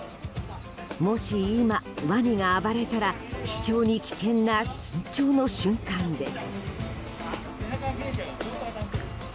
もし今ワニが暴れたら非常に危険な緊張の瞬間です。